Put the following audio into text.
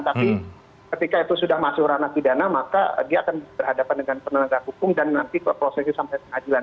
tapi ketika itu sudah masuk ranah pidana maka dia akan berhadapan dengan penegak hukum dan nanti prosesnya sampai pengadilan